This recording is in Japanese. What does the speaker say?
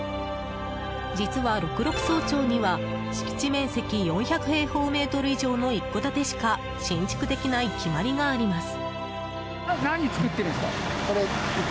実は、六麓荘町には敷地面積４００平方メートル以上の一戸建てしか新築できない決まりがあります。